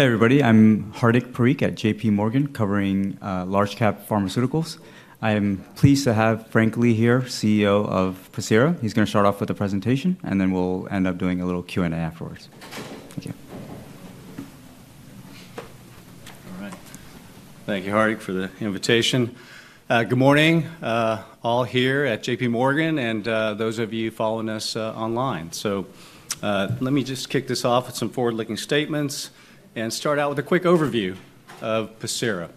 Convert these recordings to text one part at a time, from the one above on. Hey, everybody. I'm Hardik Parikh at JPMorgan, covering large-cap pharmaceuticals. I am pleased to have Frank Lee here, CEO of Pacira. He's going to start off with a presentation, and then we'll end up doing a little Q&A afterwards. Thank you. All right. Thank you, Hardik, for the invitation. Good morning, all here at JPMorgan and those of you following us online, so let me just kick this off with some forward-looking statements and start out with a quick overview of Pacira.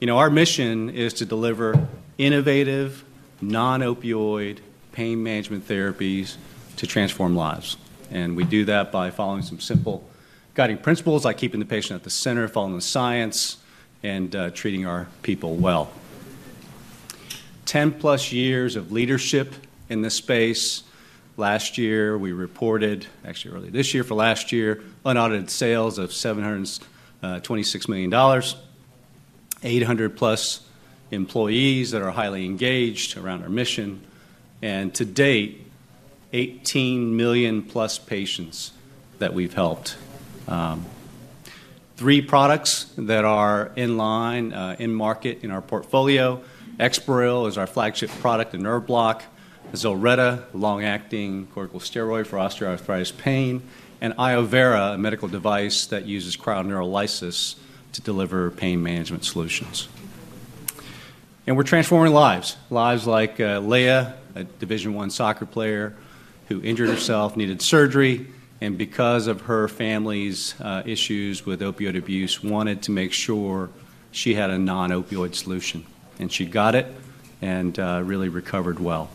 You know, our mission is to deliver innovative, non-opioid pain management therapies to transform lives, and we do that by following some simple guiding principles, like keeping the patient at the center of following the science and treating our people well. 10+ years of leadership in this space. Last year, we reported, actually early this year for last year, unaudited sales of $726 million, 800+ employees that are highly engaged around our mission, and to date, 18 million-plus patients that we've helped. Three products that are in line, in market, in our portfolio: EXPAREL is our flagship product in nerve block, ZILRETTA, a long-acting corticosteroid for osteoarthritis pain, and iovera, a medical device that uses cryoneurolysis to deliver pain management solutions. And we're transforming lives, lives like Leah, a Division I soccer player who injured herself, needed surgery, and because of her family's issues with opioid abuse, wanted to make sure she had a non-opioid solution. And she got it and really recovered well.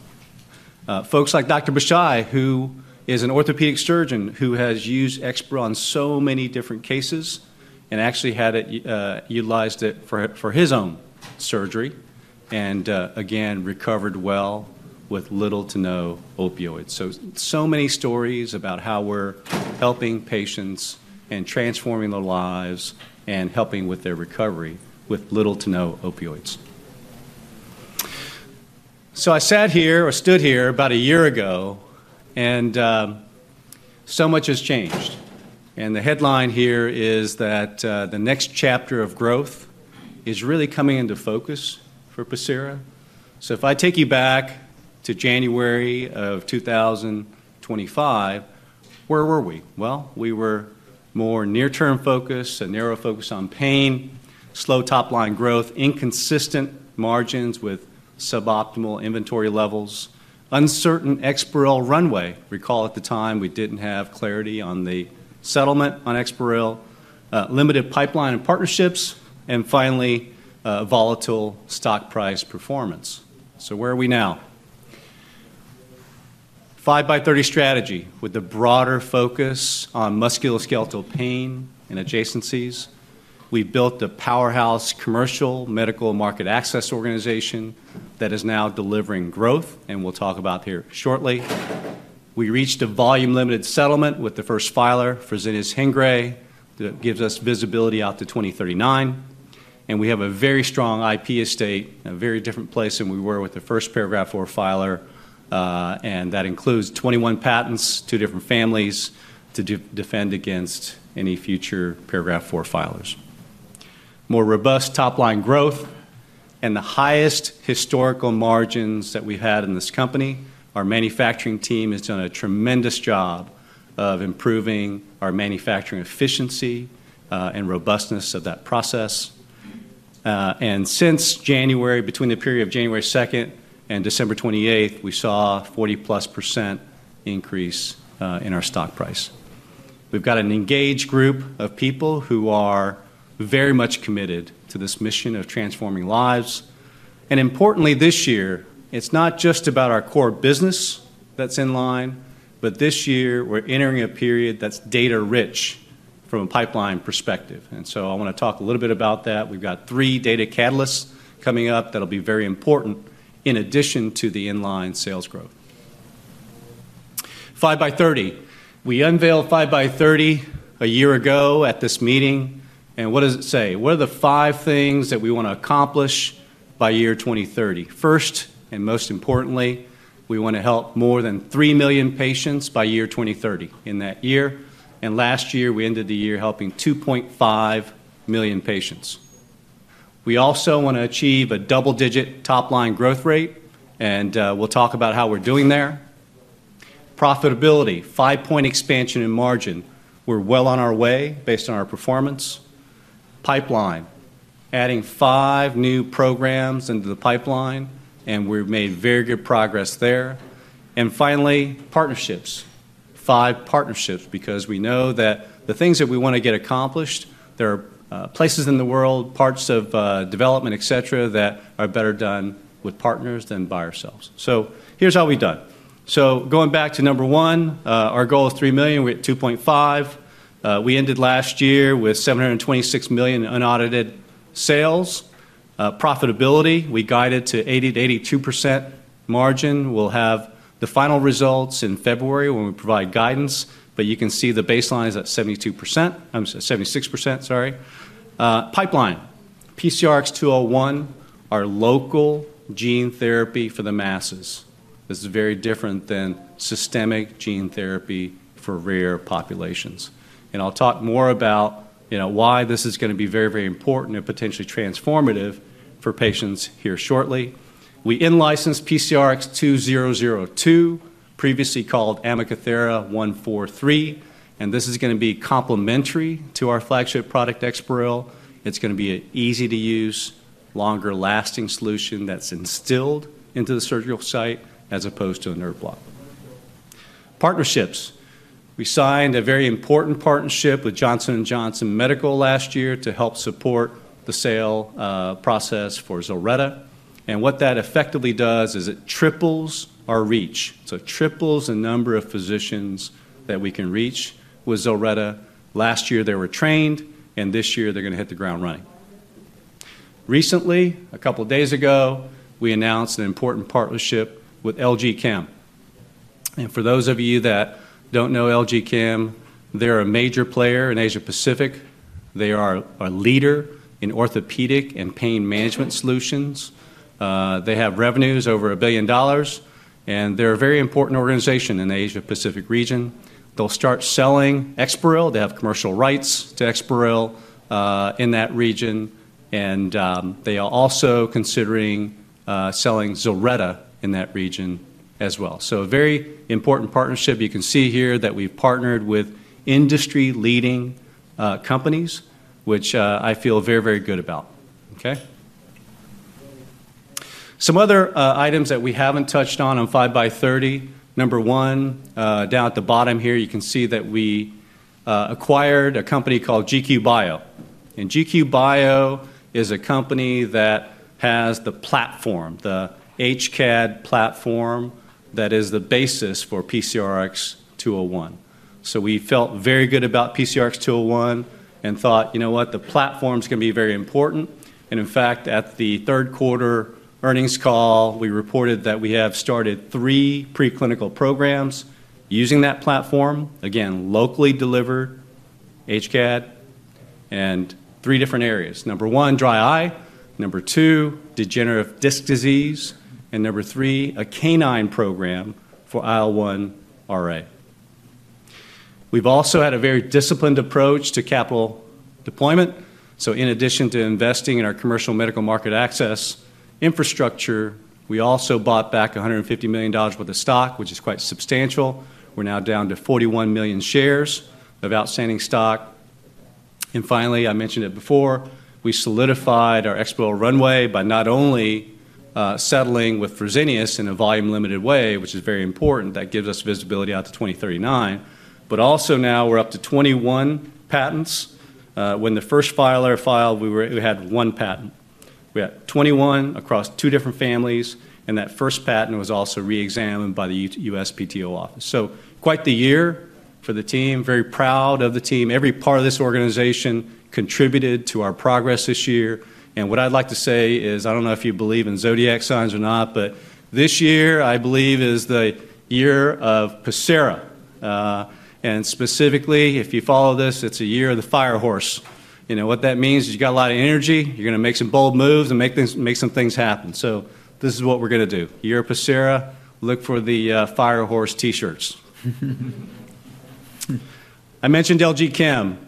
Folks like Dr. Beshai, who is an orthopedic surgeon who has used EXPAREL in so many different cases and actually utilized it for his own surgery, and again, recovered well with little to no opioids. So many stories about how we're helping patients and transforming their lives and helping with their recovery with little to no opioids. So I sat here or stood here about a year ago, and so much has changed. And the headline here is that the next chapter of growth is really coming into focus for Pacira. So if I take you back to January of 2025, where were we? Well, we were more near-term focused, a narrow focus on pain, slow top-line growth, inconsistent margins with suboptimal inventory levels, uncertain EXPAREL runway. Recall at the time we didn't have clarity on the settlement on EXPAREL, limited pipeline and partnerships, and finally, volatile stock price performance. So where are we now? 5x30 strategy with the broader focus on musculoskeletal pain and adjacencies. We built a powerhouse commercial medical market access organization that is now delivering growth, and we'll talk about here shortly. We reached a volume-limited settlement with the first filer, Fresenius and Hengrui, that gives us visibility out to 2039. We have a very strong IP estate, a very different place than we were with the first Paragraph IV filer, and that includes 21 patents, two different families to defend against any future Paragraph IV filers. More robust top-line growth and the highest historical margins that we've had in this company. Our manufacturing team has done a tremendous job of improving our manufacturing efficiency and robustness of that process. Since January, between the period of January 2nd and December 28th, we saw a 40+ % increase in our stock price. We've got an engaged group of people who are very much committed to this mission of transforming lives. Importantly, this year, it's not just about our core business that's in line, but this year we're entering a period that's data-rich from a pipeline perspective. So I want to talk a little bit about that. We've got three data catalysts coming up that'll be very important in addition to the in-line sales growth. 5x30. We unveiled 5x30 a year ago at this meeting, and what does it say? What are the five things that we want to accomplish by year 2030? First and most importantly, we want to help more than three million patients by year 2030. In that year, and last year, we ended the year helping 2.5 million patients. We also want to achieve a double-digit top-line growth rate, and we'll talk about how we're doing there. Profitability, five-point expansion in margin. We're well on our way based on our performance. Pipeline, adding five new programs into the pipeline, and we've made very good progress there. Finally, partnerships, five partnerships, because we know that the things that we want to get accomplished, there are places in the world, parts of development, et cetera, et cetera, that are better done with partners than by ourselves. Here's how we've done. Going back to number one, our goal of three million, we're at 2.5. We ended last year with $726 million unaudited sales. Profitability, we guided to 80%-82% margin. We'll have the final results in February when we provide guidance, but you can see the baseline is at 72%, I'm sorry, 76%, sorry. Pipeline, PCRX-201, our local gene therapy for the masses. This is very different than systemic gene therapy for rare populations. I'll talk more about why this is going to be very, very important and potentially transformative for patients here shortly. We in-licensed PCRX-2002, previously called AmacaThera 143, and this is going to be complementary to our flagship product, EXPAREL. It's going to be an easy-to-use, longer-lasting solution that's instilled into the surgical site as opposed to a nerve block. Partnerships. We signed a very important partnership with Johnson & Johnson Medical last year to help support the sale process for ZILRETTA, and what that effectively does is it triples our reach, so it triples the number of physicians that we can reach with ZILRETTA. Last year, they were trained, and this year they're going to hit the ground running. Recently, a couple of days ago, we announced an important partnership with LG Chem. And for those of you that don't know LG Chem, they're a major player in Asia-Pacific. They are a leader in orthopedic and pain management solutions. They have revenues over $1 billion, and they're a very important organization in the Asia-Pacific region. They'll start selling EXPAREL. They have commercial rights to EXPAREL in that region, and they are also considering selling ZILRETTA in that region as well. So a very important partnership. You can see here that we've partnered with industry-leading companies, which I feel very, very good about. Okay? Some other items that we haven't touched on on 5x30. Number one, down at the bottom here, you can see that we acquired a company called GQ Bio. And GQ Bio is a company that has the platform, the HCAd platform that is the basis for PCRX-201. So we felt very good about PCRX-201 and thought, you know what, the platform's going to be very important. And in fact, at the third-quarter earnings call, we reported that we have started three preclinical programs using that platform, again, locally delivered HCAd, and three different areas. Number one, dry eye. Number two, degenerative disc disease. And number three, a canine program for IL-1Ra. We've also had a very disciplined approach to capital deployment. So in addition to investing in our commercial medical market access infrastructure, we also bought back $150 million worth of stock, which is quite substantial. We're now down to 41 million shares of outstanding stock. And finally, I mentioned it before, we solidified our EXPAREL runway by not only settling with Fresenius in a volume-limited way, which is very important, that gives us visibility out to 2039, but also now we're up to 21 patents. When the first filer filed, we had one patent. We had 21 across two different families, and that first patent was also re-examined by the USPTO office. So quite the year for the team, very proud of the team. Every part of this organization contributed to our progress this year. And what I'd like to say is, I don't know if you believe in zodiac signs or not, but this year, I believe, is the year of Pacira. And specifically, if you follow this, it's a year of the Fire Horse. You know what that means is you've got a lot of energy, you're going to make some bold moves and make some things happen. So this is what we're going to do. Year of Pacira, look for the firehorse T-shirts. I mentioned LG Chem,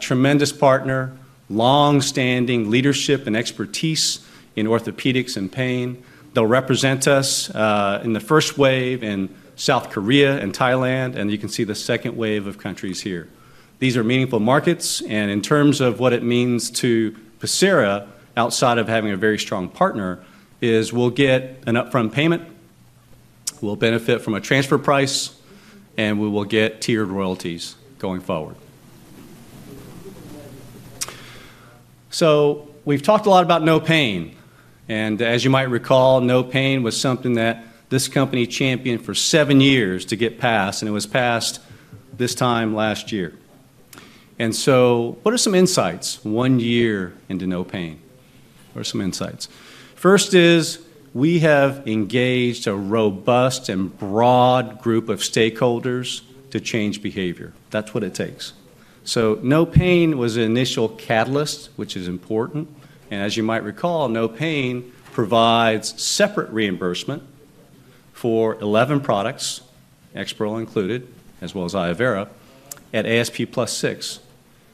tremendous partner, long-standing leadership and expertise in orthopedics and pain. They'll represent us in the first wave in South Korea and Thailand, and you can see the second wave of countries here. These are meaningful markets, and in terms of what it means to Pacira, outside of having a very strong partner, is we'll get an upfront payment, we'll benefit from a transfer price, and we will get tiered royalties going forward, so we've talked a lot about no pain. And as you might recall, NOPAIN was something that this company championed for seven years to get passed, and it was passed this time last year, and so what are some insights one year into no pain? What are some insights? First is we have engaged a robust and broad group of stakeholders to change behavior. That's what it takes, so no pain was an initial catalyst, which is important. And as you might recall, NOPAIN provides separate reimbursement for 11 products, EXPAREL included, as well as iovera, at ASP plus 6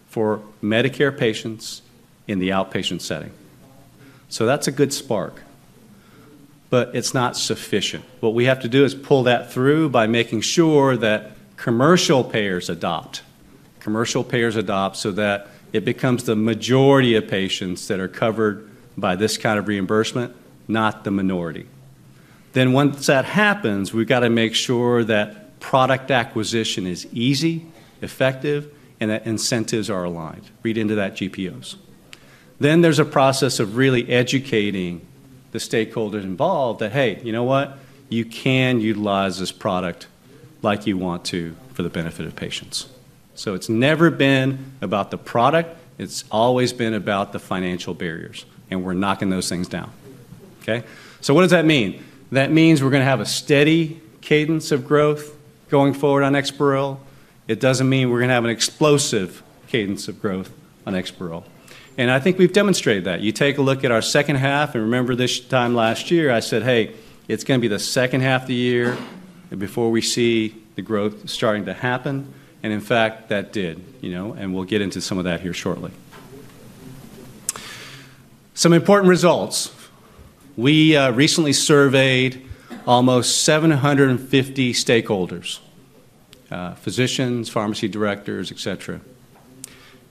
for Medicare patients in the outpatient setting. So that's a good spark, but it's not sufficient. What we have to do is pull that through by making sure that commercial payers adopt. Commercial payers adopt so that it becomes the majority of patients that are covered by this kind of reimbursement, not the minority. Then once that happens, we've got to make sure that product acquisition is easy, effective, and that incentives are aligned. Read into that GPOs. Then there's a process of really educating the stakeholders involved that, hey, you know what, you can utilize this product like you want to for the benefit of patients. So it's never been about the product. It's always been about the financial barriers, and we're knocking those things down. Okay? So what does that mean? That means we're going to have a steady cadence of growth going forward on EXPAREL. It doesn't mean we're going to have an explosive cadence of growth on EXPAREL. And I think we've demonstrated that. You take a look at our second half, and remember this time last year, I said, hey, it's going to be the second half of the year before we see the growth starting to happen. And in fact, that did, and we'll get into some of that here shortly. Some important results. We recently surveyed almost 750 stakeholders, physicians, pharmacy directors, et cetera.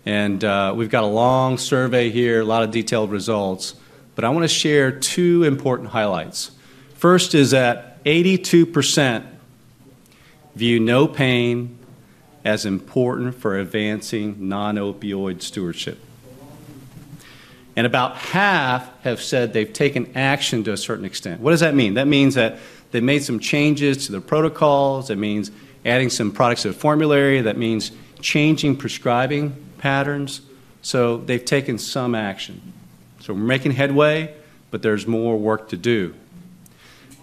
And we've got a long survey here, a lot of detailed results, but I want to share two important highlights. First is that 82% view no pain as important for advancing non-opioid stewardship. And about half have said they've taken action to a certain extent. What does that mean? That means that they made some changes to the protocols. That means adding some products to the formulary. That means changing prescribing patterns. So they've taken some action. So we're making headway, but there's more work to do.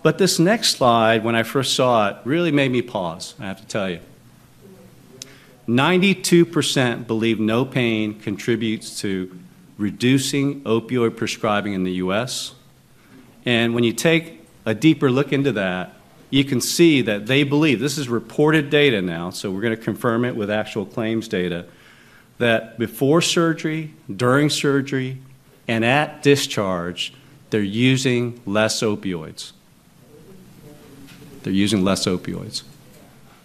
But this next slide, when I first saw it, really made me pause, I have to tell you. 92% believe no pain contributes to reducing opioid prescribing in the U.S. And when you take a deeper look into that, you can see that they believe, this is reported data now, so we're going to confirm it with actual claims data, that before surgery, during surgery, and at discharge, they're using less opioids. They're using less opioids.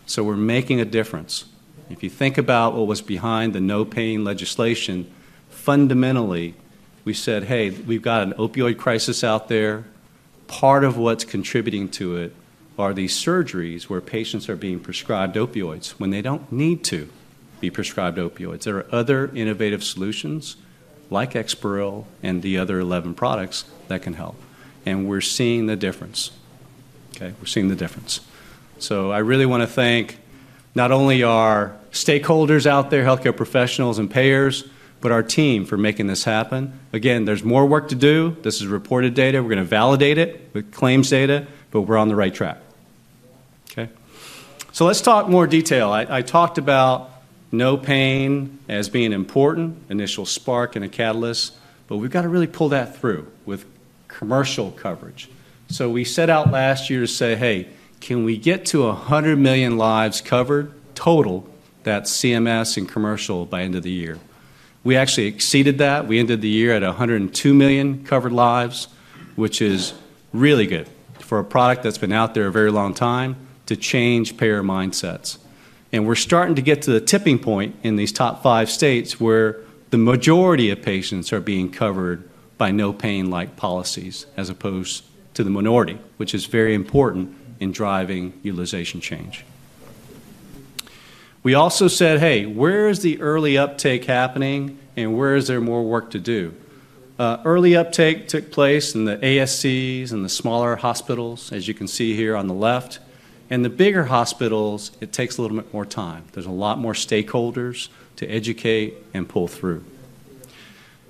So we're making a difference. If you think about what was behind the no pain legislation, fundamentally, we said, hey, we've got an opioid crisis out there. Part of what's contributing to it are these surgeries where patients are being prescribed opioids when they don't need to be prescribed opioids. There are other innovative solutions like EXPAREL and the other 11 products that can help. And we're seeing the difference. Okay? We're seeing the difference. So I really want to thank not only our stakeholders out there, healthcare professionals and payers, but our team for making this happen. Again, there's more work to do. This is reported data. We're going to validate it with claims data, but we're on the right track. Okay? So let's talk more detail. I talked about no pain as being important, initial spark and a catalyst, but we've got to really pull that through with commercial coverage. So we set out last year to say, hey, can we get to 100 million lives covered total that's CMS and commercial by end of the year? We actually exceeded that. We ended the year at 102 million covered lives, which is really good for a product that's been out there a very long time to change payer mindsets. And we're starting to get to the tipping point in these top five states where the majority of patients are being covered by NOPAIN-like policies as opposed to the minority, which is very important in driving utilization change. We also said, hey, where is the early uptake happening and where is there more work to do? Early uptake took place in the ASCs and the smaller hospitals, as you can see here on the left. In the bigger hospitals, it takes a little bit more time. There's a lot more stakeholders to educate and pull through.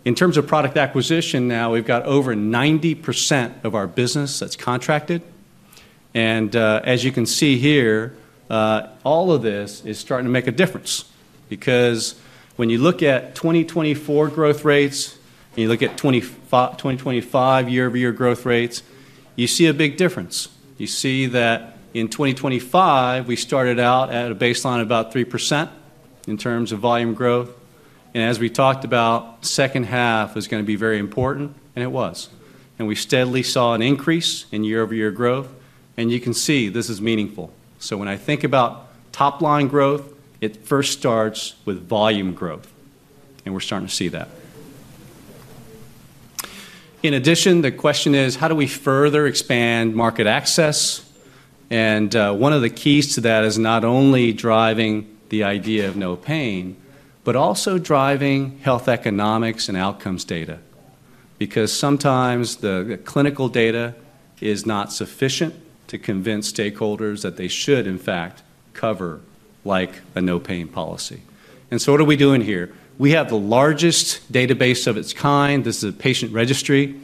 In terms of product acquisition now, we've got over 90% of our business that's contracted. And as you can see here, all of this is starting to make a difference because when you look at 2024 growth rates and you look at 2025 year-over-year growth rates, you see a big difference. You see that in 2025, we started out at a baseline of about 3% in terms of volume growth. And as we talked about, second half is going to be very important, and it was. And we steadily saw an increase in year-over-year growth. And you can see this is meaningful. So when I think about top-line growth, it first starts with volume growth, and we're starting to see that. In addition, the question is, how do we further expand market access? One of the keys to that is not only driving the idea of no pain, but also driving health economics and outcomes data because sometimes the clinical data is not sufficient to convince stakeholders that they should, in fact, cover like a no pain policy. What are we doing here? We have the largest database of its kind. This is a patient registry.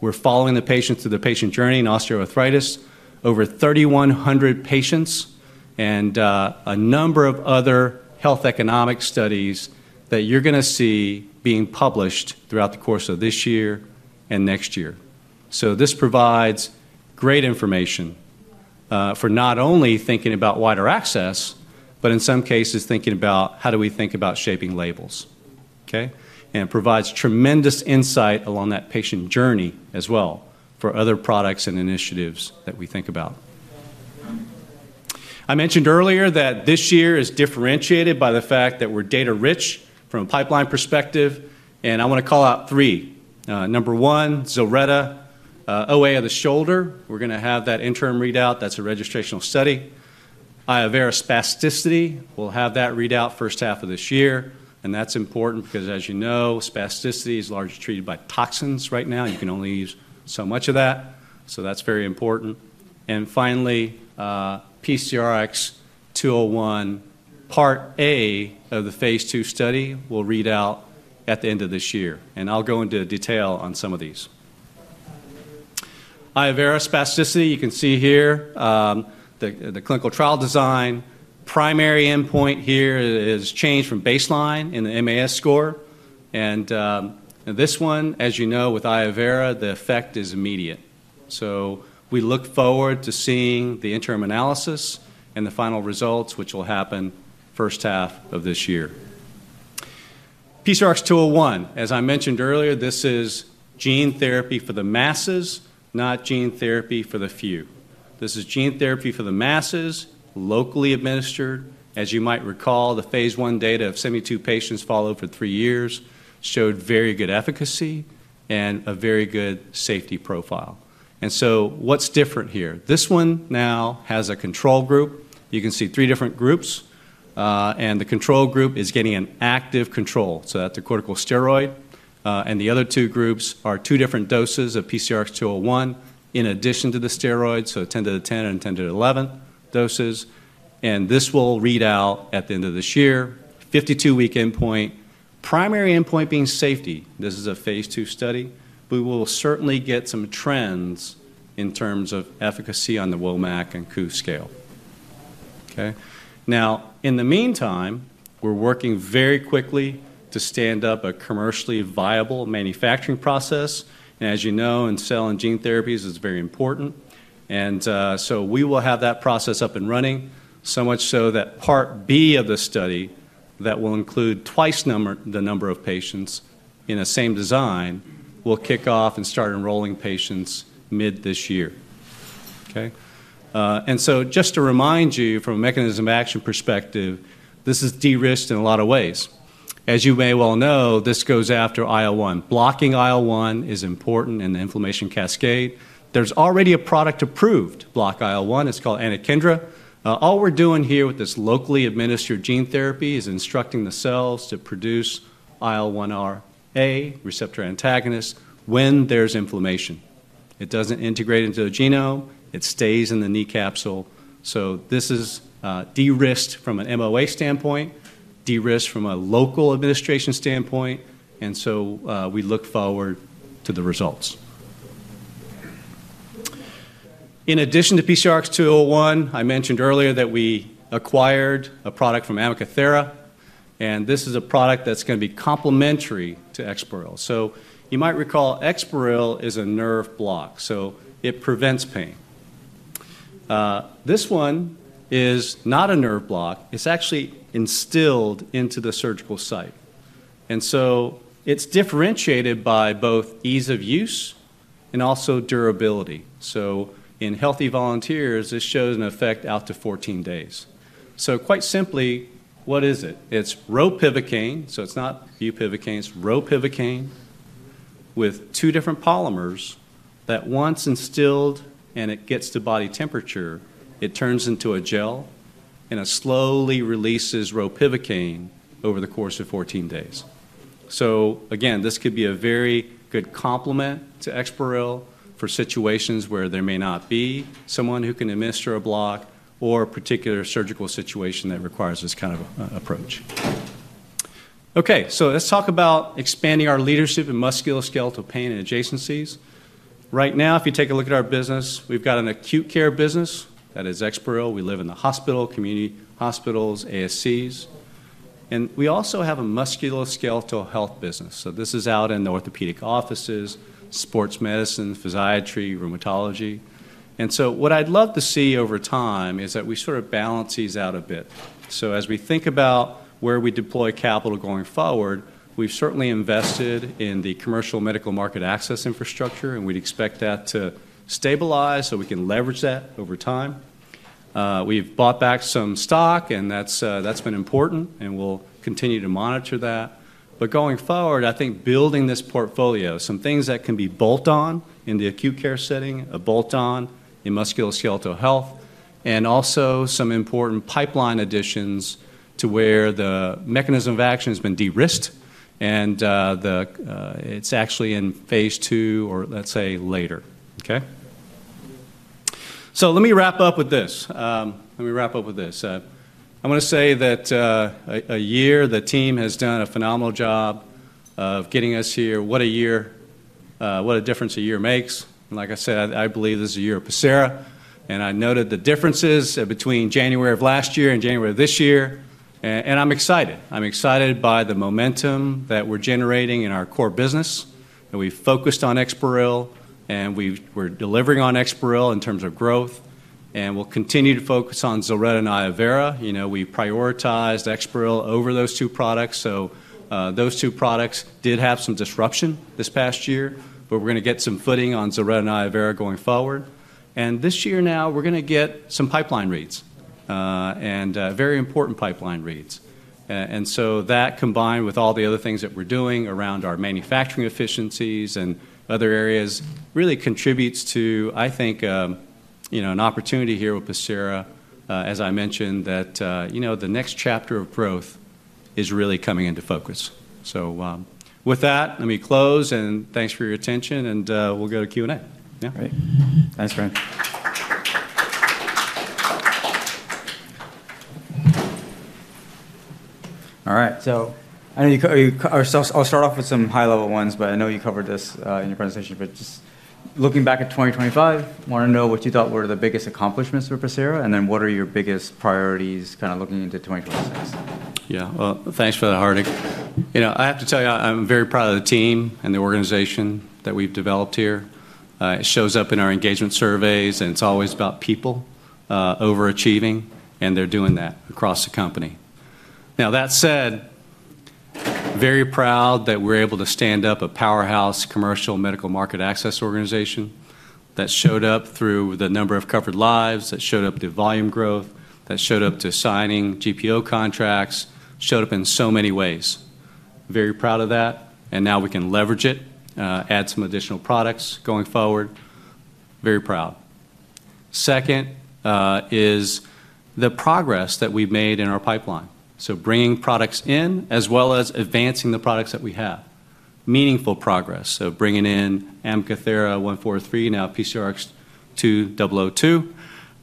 We're following the patient through the patient journey in osteoarthritis, over 3,100 patients, and a number of other health economic studies that you're going to see being published throughout the course of this year and next year. This provides great information for not only thinking about wider access, but in some cases, thinking about how do we think about shaping labels. Okay? It provides tremendous insight along that patient journey as well for other products and initiatives that we think about. I mentioned earlier that this year is differentiated by the fact that we're data-rich from a pipeline perspective, and I want to call out three. Number one, ZILRETTA, OA of the shoulder. We're going to have that interim readout. That's a registrational study. iovera Spasticity will have that readout first half of this year. And that's important because, as you know, spasticity is largely treated by toxins right now. You can only use so much of that. So that's very important. And finally, PCRX-201, part A of the Phase II study will read out at the end of this year. And I'll go into detail on some of these. iovera Spasticity, you can see here, the clinical trial design. Primary endpoint here is change from baseline in the MAS score. And this one, as you know, with iovera, the effect is immediate. So we look forward to seeing the interim analysis and the final results, which will happen first half of this year. PCRX-201, as I mentioned earlier, this is gene therapy for the masses, not gene therapy for the few. This is gene therapy for the masses, locally administered. As you might recall, the phase one data of 72 patients followed for three years showed very good efficacy and a very good safety profile. And so what's different here? This one now has a control group. You can see three different groups. And the control group is getting an active control. So that's a corticosteroid. And the other two groups are two different doses of PCRX-201 in addition to the steroids, so 10 to the 10 and 10 to the 11 doses. And this will read out at the end of this year, 52-week endpoint. Primary endpoint being safety. This is a phase two study. We will certainly get some trends in terms of efficacy on the WOMAC and KOOS. Okay? Now, in the meantime, we're working very quickly to stand up a commercially viable manufacturing process, and as you know, in cell and gene therapies, it's very important, and so we will have that process up and running, so much so that part B of the study that will include twice the number of patients in a same design will kick off and start enrolling patients mid this year. Okay? And so just to remind you, from a mechanism of action perspective, this is de-risked in a lot of ways. As you may well know, this goes after IL-1. Blocking IL-1 is important in the inflammation cascade. There's already a product approved to block IL-1. It's called anakinra. All we're doing here with this locally administered gene therapy is instructing the cells to produce IL-1RA receptor antagonist when there's inflammation. It doesn't integrate into the genome. It stays in the knee capsule. So this is de-risked from an MOA standpoint, de-risked from a local administration standpoint. And so we look forward to the results. In addition to PCRX-201, I mentioned earlier that we acquired a product from AmacaThera. And this is a product that's going to be complementary to EXPAREL. So you might recall EXPAREL is a nerve block, so it prevents pain. This one is not a nerve block. It's actually instilled into the surgical site. And so it's differentiated by both ease of use and also durability. So in healthy volunteers, this shows an effect out to 14 days. So quite simply, what is it? It's ropivacaine. So it's not bupivacaine. It's ropivacaine with two different polymers that, once instilled and it gets to body temperature, it turns into a gel and it slowly releases ropivacaine over the course of 14 days. So again, this could be a very good complement to EXPAREL for situations where there may not be someone who can administer a block or a particular surgical situation that requires this kind of approach. Okay. So let's talk about expanding our leadership in musculoskeletal pain and adjacencies. Right now, if you take a look at our business, we've got an acute care business that is EXPAREL. We live in the hospital, community hospitals, ASCs. And we also have a musculoskeletal health business. So this is out in the orthopedic offices, sports medicine, physiatry, rheumatology. And so what I'd love to see over time is that we sort of balance these out a bit. So as we think about where we deploy capital going forward, we've certainly invested in the commercial medical market access infrastructure, and we'd expect that to stabilize so we can leverage that over time. We've bought back some stock, and that's been important, and we'll continue to monitor that. But going forward, I think building this portfolio, some things that can be bolt-on in the acute care setting, a bolt-on in musculoskeletal health, and also some important pipeline additions to where the mechanism of action has been de-risked, and it's actually in phase II or, let's say, later. Okay? So let me wrap up with this. Let me wrap up with this. I want to say that a year, the team has done a phenomenal job of getting us here. What a year. What a difference a year makes. And like I said, I believe this is a year of Pacira. And I noted the differences between January of last year and January of this year. And I'm excited. I'm excited by the momentum that we're generating in our core business. We focused on EXPAREL, and we were delivering on EXPAREL in terms of growth. And we'll continue to focus on ZILRETTA and iovera. We prioritized EXPAREL over those two products. So those two products did have some disruption this past year, but we're going to get some footing on ZILRETTA and iovera going forward. And this year now, we're going to get some pipeline reads, and very important pipeline reads. And so that, combined with all the other things that we're doing around our manufacturing efficiencies and other areas, really contributes to, I think, an opportunity here with Pacira, as I mentioned, that the next chapter of growth is really coming into focus. So with that, let me close, and thanks for your attention, and we'll go to Q&A. Yeah? All right. Thanks, guys. All right. So I know you've covered our, I'll start off with some high-level ones, but I know you covered this in your presentation. But just looking back at 2025, I want to know what you thought were the biggest accomplishments for Pacira, and then what are your biggest priorities kind of looking into 2026? Yeah. Well, thanks for that, Hardik. I have to tell you, I'm very proud of the team and the organization that we've developed here. It shows up in our engagement surveys, and it's always about people overachieving, and they're doing that across the company. Now, that said, very proud that we're able to stand up a powerhouse commercial medical market access organization that showed up through the number of covered lives, that showed up to volume growth, that showed up to signing GPO contracts, showed up in so many ways. Very proud of that. And now we can leverage it, add some additional products going forward. Very proud. Second is the progress that we've made in our pipeline. So bringing products in as well as advancing the products that we have. Meaningful progress. So bringing in AmacaThera, now PCRX-2002,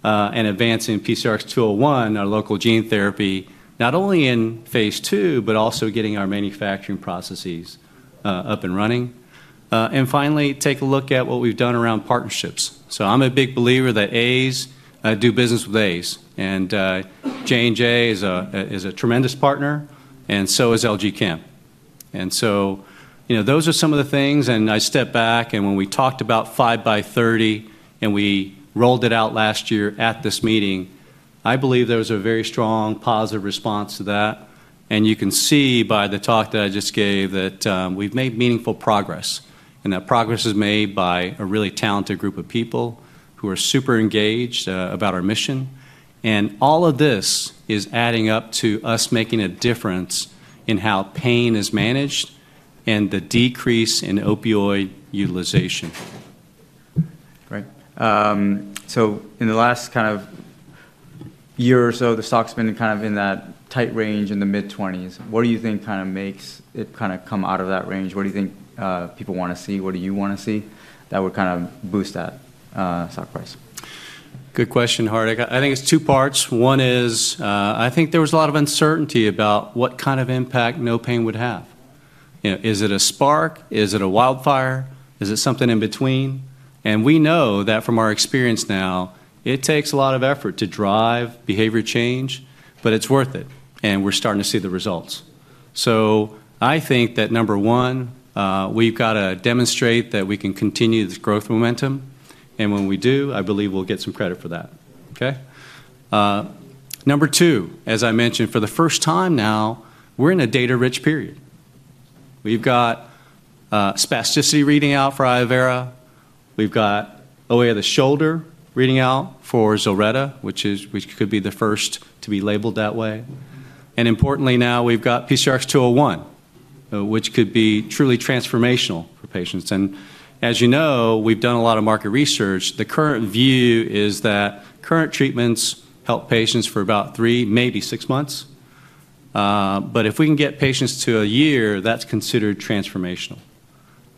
and advancing PCRX-201, our local gene therapy, not only in phase III, but also getting our manufacturing processes up and running. And finally, take a look at what we've done around partnerships. So I'm a big believer that A's do business with A's. And J&J is a tremendous partner, and so is LG Chem. And so those are some of the things. And I step back, and when we talked about 5x30 and we rolled it out last year at this meeting, I believe there was a very strong positive response to that. And you can see by the talk that I just gave that we've made meaningful progress. And that progress is made by a really talented group of people who are super engaged about our mission. All of this is adding up to us making a difference in how pain is managed and the decrease in opioid utilization. Right. So in the last kind of year or so, the stock's been kind of in that tight range in the mid-20s. What do you think kind of makes it kind of come out of that range? What do you think people want to see? What do you want to see that would kind of boost that stock price? Good question, Hardik. I think it's two parts. One is I think there was a lot of uncertainty about what kind of impact NOPAIN would have. Is it a spark? Is it a wildfire? Is it something in between? And we know that from our experience now, it takes a lot of effort to drive behavior change, but it's worth it. And we're starting to see the results. So I think that number one, we've got to demonstrate that we can continue this growth momentum. And when we do, I believe we'll get some credit for that. Okay? Number two, as I mentioned, for the first time now, we're in a data-rich period. We've got spasticity reading out for iovera. We've got OA of the shoulder reading out for ZILRETTA, which could be the first to be labeled that way. And importantly now, we've got PCRX-201, which could be truly transformational for patients. And as you know, we've done a lot of market research. The current view is that current treatments help patients for about three, maybe six months. But if we can get patients to a year, that's considered transformational.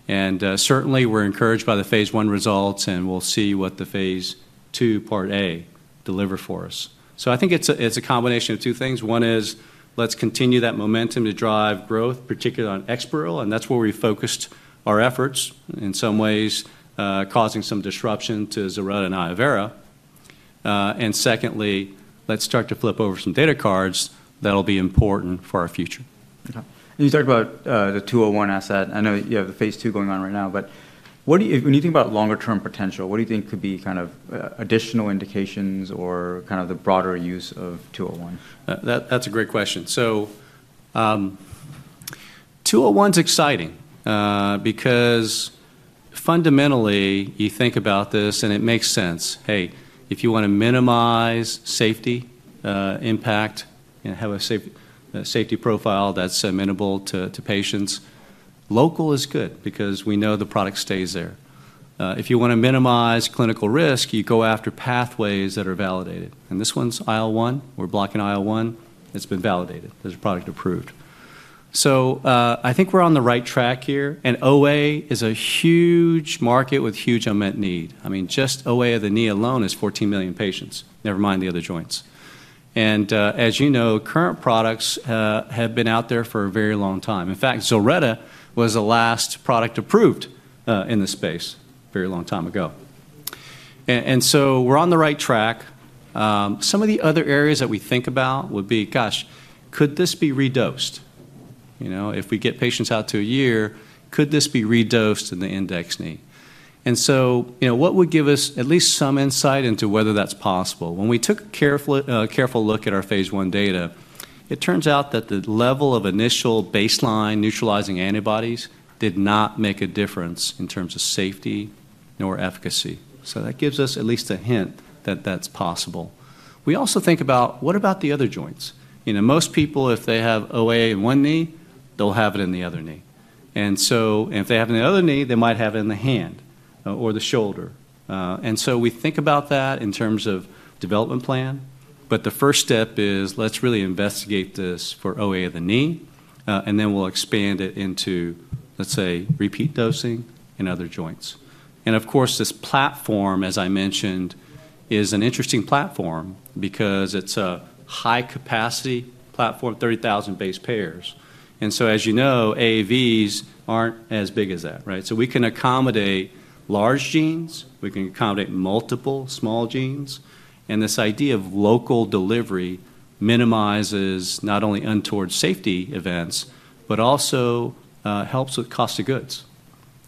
And certainly, we're encouraged by the Phase I results, and we'll see what the Phase II part A delivers for us. So I think it's a combination of two things. One is let's continue that momentum to drive growth, particularly on EXPAREL. And that's where we focused our efforts in some ways, causing some disruption to ZILRETTA and iovera. And secondly, let's start to flip over some data cards that'll be important for our future. Okay. And you talked about the 201 asset. I know you have the phase II going on right now, but when you think about longer-term potential, what do you think could be kind of additional indications or kind of the broader use of 201? That's a great question. So 201's exciting because fundamentally, you think about this and it makes sense. Hey, if you want to minimize safety impact and have a safety profile that's amenable to patients, local is good because we know the product stays there. If you want to minimize clinical risk, you go after pathways that are validated. And this one's IL-1. We're blocking IL-1. It's been validated. There's a product approved. So I think we're on the right track here. And OA is a huge market with huge unmet need. I mean, just OA of the knee alone is 14 million patients, never mind the other joints. And as you know, current products have been out there for a very long time. In fact, ZILRETTA was the last product approved in the space a very long time ago. And so we're on the right track. Some of the other areas that we think about would be, gosh, could this be redosed? If we get patients out to a year, could this be redosed in the index knee? And so what would give us at least some insight into whether that's possible? When we took a careful look at our phase I data, it turns out that the level of initial baseline neutralizing antibodies did not make a difference in terms of safety nor efficacy. So that gives us at least a hint that that's possible. We also think about, what about the other joints? Most people, if they have OA in one knee, they'll have it in the other knee. And so if they have it in the other knee, they might have it in the hand or the shoulder. And so we think about that in terms of development plan. But the first step is let's really investigate this for OA of the knee, and then we'll expand it into, let's say, repeat dosing in other joints. And of course, this platform, as I mentioned, is an interesting platform because it's a high-capacity platform, 30,000 base pairs. And so as you know, AAVs aren't as big as that, right? So we can accommodate large genes. We can accommodate multiple small genes. And this idea of local delivery minimizes not only untoward safety events, but also helps with cost of goods.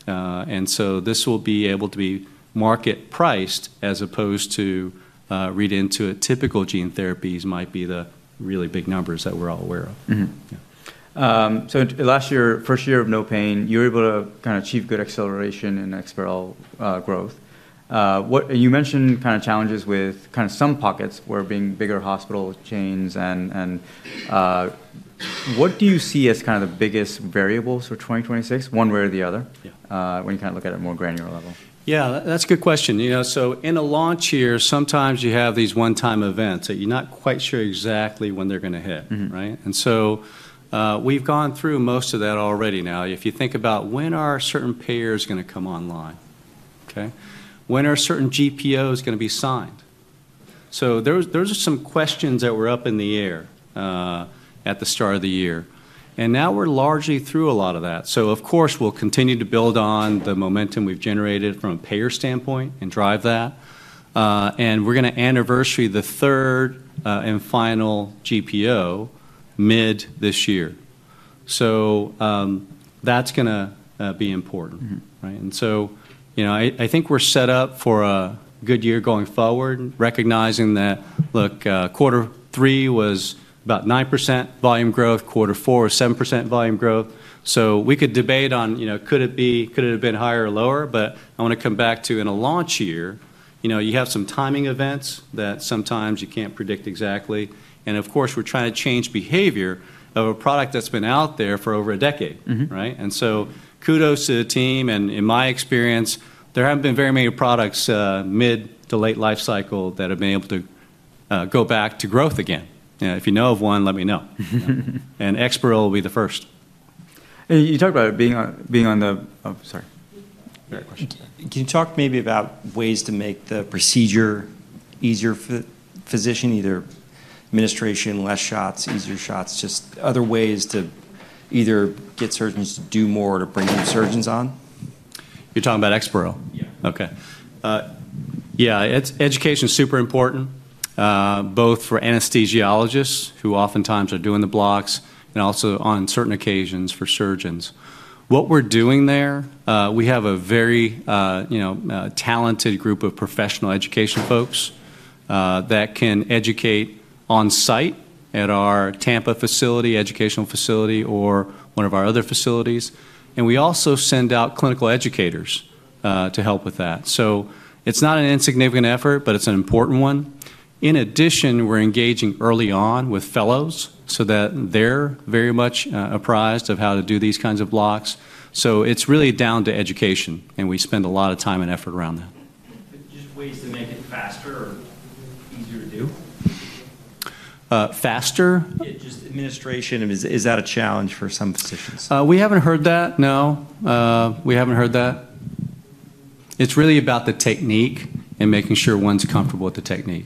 And so this will be able to be market-priced as opposed to read into it. Typical gene therapies might be the really big numbers that we're all aware of. So last year, first year of no pain, you were able to kind of achieve good acceleration in EXPAREL growth. You mentioned kind of challenges with kind of some pockets where being bigger hospital chains and what do you see as kind of the biggest variables for 2026, one way or the other, when you kind of look at it more granular level? Yeah. That's a good question. So in a launch year, sometimes you have these one-time events that you're not quite sure exactly when they're going to hit, right? And so we've gone through most of that already now. If you think about when are certain payers going to come online, okay? When are certain GPOs going to be signed? So those are some questions that were up in the air at the start of the year. And now we're largely through a lot of that. So of course, we'll continue to build on the momentum we've generated from a payer standpoint and drive that. And we're going to anniversary the third and final GPO mid this year. So that's going to be important, right? And so I think we're set up for a good year going forward, recognizing that, look, quarter three was about 9% volume growth, quarter four was 7% volume growth. So we could debate on could it have been higher or lower, but I want to come back to in a launch year, you have some timing events that sometimes you can't predict exactly. And of course, we're trying to change behavior of a product that's been out there for over a decade, right? And so kudos to the team. And in my experience, there haven't been very many products mid to late life cycle that have been able to go back to growth again. If you know of one, let me know. And EXPAREL will be the first. You talked about being on the. Sorry. Can you talk maybe about ways to make the procedure easier for the physician, either administration, less shots, easier shots, just other ways to either get surgeons to do more or to bring new surgeons on? You're talking about EXPAREL? Yeah. Okay. Yeah. Education is super important, both for anesthesiologists who oftentimes are doing the blocks and also on certain occasions for surgeons. What we're doing there, we have a very talented group of professional education folks that can educate on site at our Tampa facility, educational facility, or one of our other facilities. And we also send out clinical educators to help with that. So it's not an insignificant effort, but it's an important one. In addition, we're engaging early on with fellows so that they're very much apprised of how to do these kinds of blocks. So it's really down to education, and we spend a lot of time and effort around that. Just ways to make it faster or easier to do? Faster? Just administration. Is that a challenge for some physicians? We haven't heard that. No. We haven't heard that. It's really about the technique and making sure one's comfortable with the technique.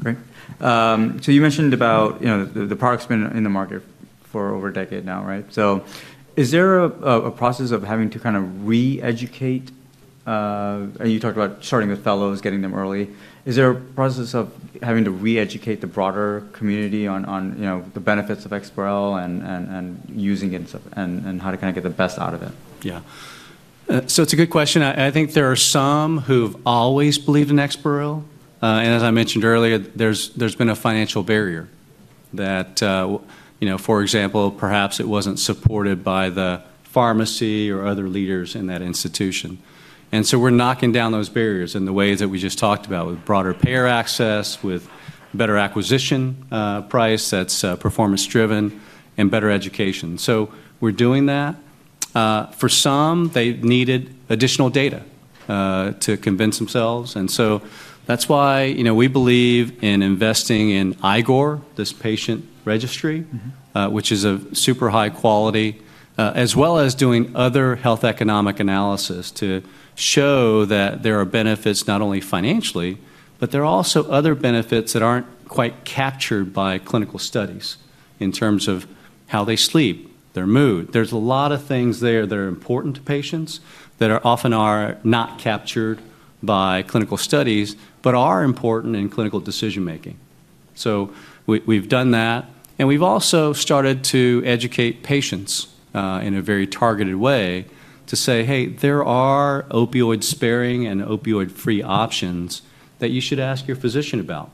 Great. So you mentioned about the product's been in the market for over a decade now, right? So is there a process of having to kind of re-educate? And you talked about starting with fellows, getting them early. Is there a process of having to re-educate the broader community on the benefits of EXPAREL and using it and how to kind of get the best out of it? Yeah. So it's a good question. I think there are some who've always believed in EXPAREL. And as I mentioned earlier, there's been a financial barrier that, for example, perhaps it wasn't supported by the pharmacy or other leaders in that institution. And so we're knocking down those barriers in the ways that we just talked about with broader payer access, with better acquisition price that's performance-driven, and better education. So we're doing that. For some, they needed additional data to convince themselves. And so that's why we believe in investing in iGOR, this patient registry, which is a super high quality, as well as doing other health economic analysis to show that there are benefits not only financially, but there are also other benefits that aren't quite captured by clinical studies in terms of how they sleep, their mood. There's a lot of things there that are important to patients that often are not captured by clinical studies, but are important in clinical decision-making. So we've done that. And we've also started to educate patients in a very targeted way to say, "Hey, there are opioid-sparing and opioid-free options that you should ask your physician about."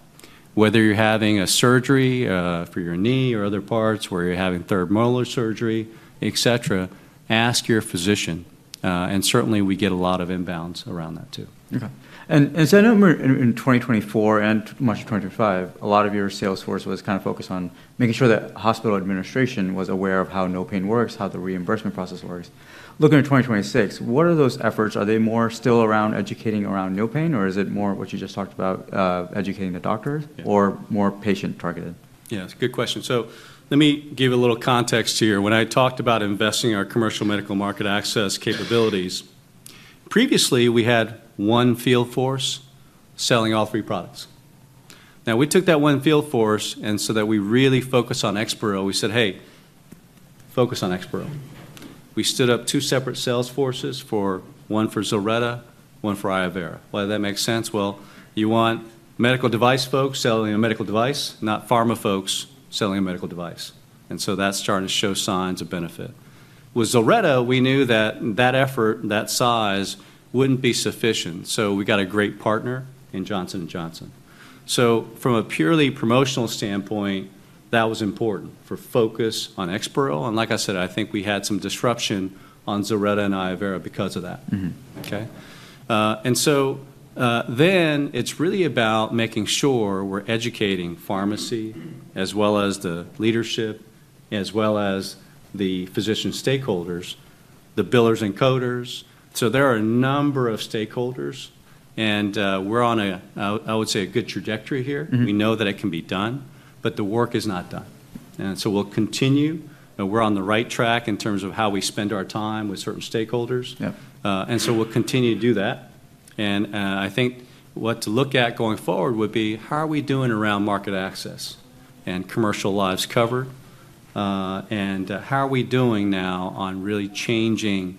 Whether you're having a surgery for your knee or other parts where you're having third molar surgery, etc., ask your physician. And certainly, we get a lot of inbounds around that too. Okay. And so I know in 2024 and much of 2025, a lot of your sales force was kind of focused on making sure that hospital administration was aware of how NOPAIN works, how the reimbursement process works. Looking at 2026, what are those efforts? Are they more still around educating around NOPAIN, or is it more what you just talked about, educating the doctors, or more patient-targeted? Yeah. It's a good question. So let me give you a little context here. When I talked about investing in our commercial medical market access capabilities, previously, we had one field force selling all three products. Now, we took that one field force, and so that we really focused on EXPAREL, we said, "Hey, focus on EXPAREL." We stood up two separate sales forces, one for ZILRETTA, one for iovera. Why does that make sense? Well, you want medical device folks selling a medical device, not pharma folks selling a medical device. And so that's starting to show signs of benefit. With ZILRETTA, we knew that that effort, that size, wouldn't be sufficient. So we got a great partner in Johnson & Johnson. So from a purely promotional standpoint, that was important for focus on EXPAREL. And like I said, I think we had some disruption on ZILRETTA and iovera because of that. Okay? And so then it's really about making sure we're educating pharmacy as well as the leadership, as well as the physician stakeholders, the billers and coders. So there are a number of stakeholders, and we're on, I would say, a good trajectory here. We know that it can be done, but the work is not done. And so we'll continue. We're on the right track in terms of how we spend our time with certain stakeholders. And so we'll continue to do that. And I think what to look at going forward would be, how are we doing around market access and commercial lives covered? And how are we doing now on really changing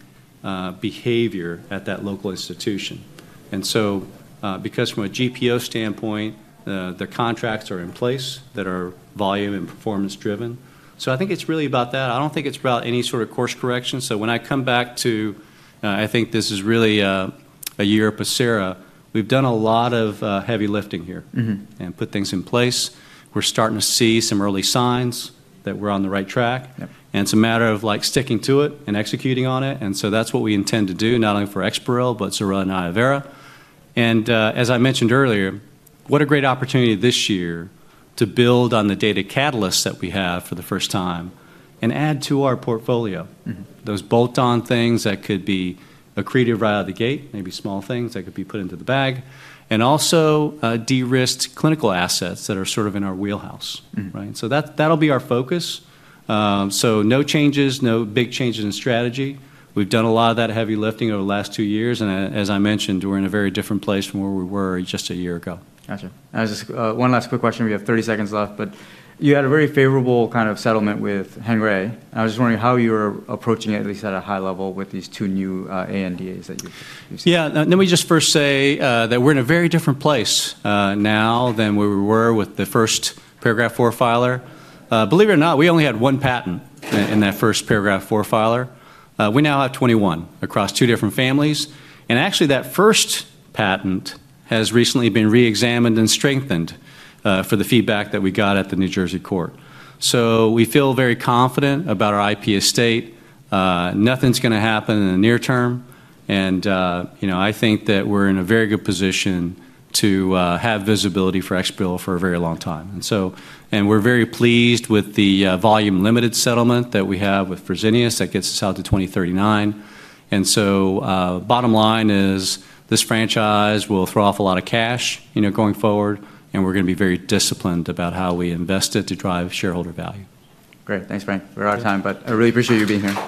behavior at that local institution? And so, because from a GPO standpoint, the contracts are in place that are volume and performance-driven. So I think it's really about that. I don't think it's about any sort of course correction. So when I come back to, I think this is really a year of Pacira. We've done a lot of heavy lifting here and put things in place. We're starting to see some early signs that we're on the right track. And it's a matter of sticking to it and executing on it. And so that's what we intend to do, not only for EXPAREL, but ZILRETTA and iovera. And as I mentioned earlier, what a great opportunity this year to build on the data catalysts that we have for the first time and add to our portfolio. Those bolt-on things that could be accretive right out of the gate, maybe small things that could be put into the bag, and also de-risk clinical assets that are sort of in our wheelhouse, right? So that'll be our focus. So no changes, no big changes in strategy. We've done a lot of that heavy lifting over the last two years. And as I mentioned, we're in a very different place from where we were just a year ago. Gotcha. One last quick question. We have 30 seconds left, but you had a very favorable kind of settlement with Hengrui. I was just wondering how you were approaching it, at least at a high level, with these two new ANDAs that you've seen? Yeah. Let me just first say that we're in a very different place now than we were with the first Paragraph IV filer. Believe it or not, we only had one patent in that first Paragraph IV filer. We now have 21 across two different families. And actually, that first patent has recently been re-examined and strengthened for the feedback that we got at the New Jersey court. So we feel very confident about our IP estate. Nothing's going to happen in the near term. And I think that we're in a very good position to have visibility for EXPAREL for a very long time. And we're very pleased with the volume-limited settlement that we have with Fresenius that gets us out to 2039. Bottom line is this franchise will throw off a lot of cash going forward, and we're going to be very disciplined about how we invest it to drive shareholder value. Great. Thanks, Frank. We're out of time, but I really appreciate you being here.